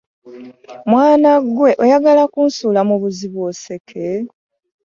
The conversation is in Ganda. Mwana ggwe oyagala kunsuula mu buzibu oseke.